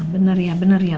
bener ya bener ya